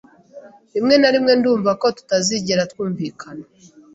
Rimwe na rimwe ndumva ko tutazigera twumvikana.